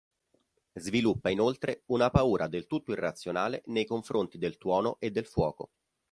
Sviluppa inoltre una paura del tutto irrazionale nei confronti del tuono e del fuoco.